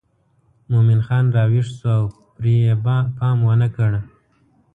مومن خان راویښ شو او پرې یې پام ونه کړ.